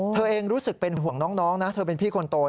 เธอเองรู้สึกเป็นห่วงน้องนะเธอเป็นพี่คนโต